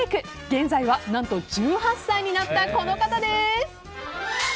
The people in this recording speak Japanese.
現在は何と１８歳になったこの方です。